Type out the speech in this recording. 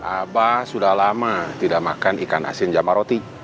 abah sudah lama tidak makan ikan asin jama roti